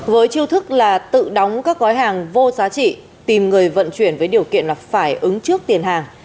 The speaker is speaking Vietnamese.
với chiêu thức là tự đóng các gói hàng vô giá trị tìm người vận chuyển với điều kiện là phải ứng trước tiền hàng